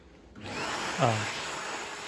ئا.